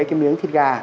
cái miếng thịt gà